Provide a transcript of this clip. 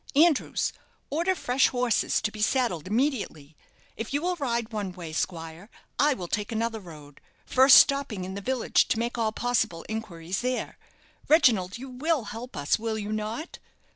Andrews, order fresh horses to be saddled immediately. If you will ride one way, squire, I will take another road, first stopping in the village to make all possible inquires there. Reginald, you will help us, will you not?"